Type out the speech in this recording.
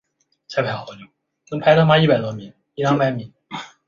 后来由单簧管手兼作曲家加以改良。